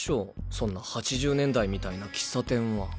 そんな８０年代みたいな喫茶店は。